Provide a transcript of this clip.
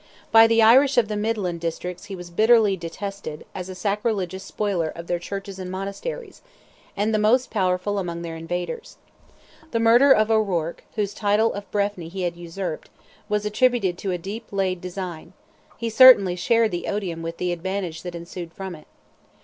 By the Irish of the midland districts he was bitterly detested as a sacrilegious spoiler of their churches and monasteries, and the most powerful among their invaders. The murder of O'Ruarc, whose title of Breffni he had usurped, was attributed to a deep laid design; he certainly shared the odium with the advantage that ensued from it.